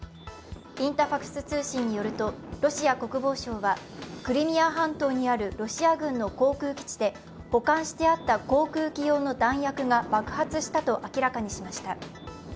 インタファクス通信によると、ロシア国防省はクリミア半島にあるロシア軍の航空基地で保管してあった航空機用の弾薬が爆発したと明らかにしました。